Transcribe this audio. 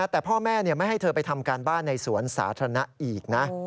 แต่พ่อแม่ไม่ให้เธอไปทำการบ้านในสวนสาธารณะอีกนะ